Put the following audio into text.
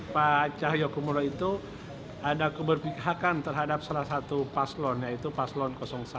pak cahyokumolo itu ada keberpihakan terhadap salah satu paslon yaitu paslon satu